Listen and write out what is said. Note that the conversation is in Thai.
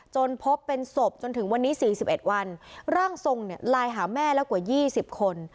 จนพบเป็นศพจนถึงวันนี้สี่สิบเอ็ดวันร่างทรงเนี้ยไลน์หาแม่แล้วกว่ายี่สิบคน